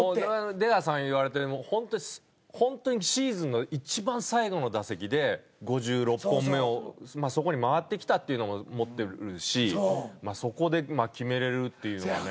出川さんが言われてるほんとシーズンのいちばん最後の打席で５６本目をそこに回ってきたっていうのも持ってるしそこで決めれるっていうのもね。